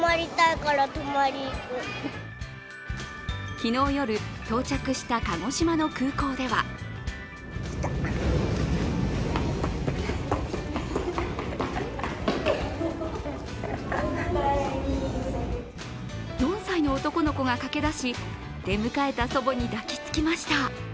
昨日夜、到着した鹿児島の空港では４歳の男の子が駆け出し、出迎えた祖母に抱きつきました。